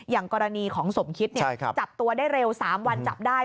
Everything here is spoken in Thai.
อย่างกรณีของสมคิตจับตัวได้เร็ว๓วันจับได้